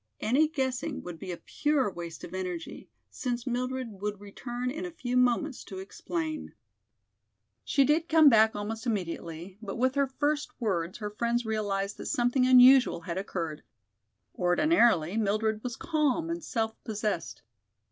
Any guessing would be a pure waste of energy, since Mildred would return in a few moments to explain. She did come back almost immediately, but with her first words her friends realized that something unusual had occurred. Ordinarily Mildred was calm and self possessed.